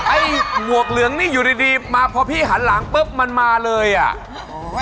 หมวกเหลืองนี่อยู่ดีดีมาพอพี่หันหลังปุ๊บมันมาเลยอ่ะโอ้ย